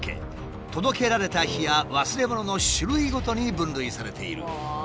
届けられた日や忘れ物の種類ごとに分類されている。